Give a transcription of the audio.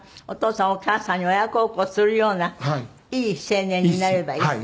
お父さんお母さんに親孝行するようないい青年になればいい？